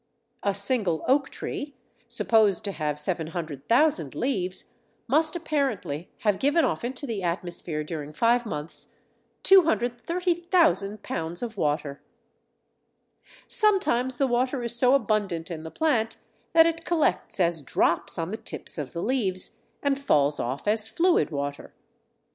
A single oak tree, supposed to have 700,000 leaves, must apparently have given off into the atmosphere during five months 230,000 lb. of water. Sometimes the water is so abundant in the plant that it collects as drops on the tips of the leaves and falls off as fluid water.